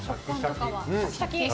シャキシャキ。